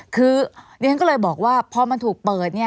คือเรียนก็เลยบอกว่าพอมันถูกเปิด